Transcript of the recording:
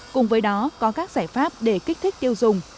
cùng với đó có các giải pháp để kích thích tiêu dùng